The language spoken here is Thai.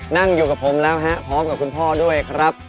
นั่งอยู่กับผมแล้วฮะพร้อมกับคุณพ่อด้วยครับ